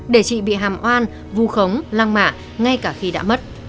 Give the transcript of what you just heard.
để chị bị hàm oan vu khống lăng mạ ngay cả khi đã mất